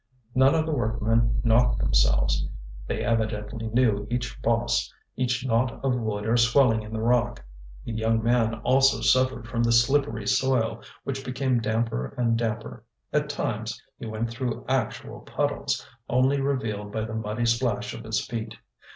None of the workmen knocked themselves; they evidently knew each boss, each knot of wood or swelling in the rock. The young man also suffered from the slippery soil, which became damper and damper. At times he went through actual puddles, only revealed by the muddy splash of his feet.